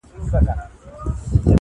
• خو د زړه مطلب یې بل وي بل څه غواړي -